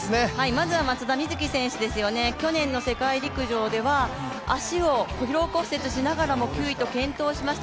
まずは松田瑞生選手ですよね、去年の世界陸上では足を疲労骨折氏ならがらも健闘しました。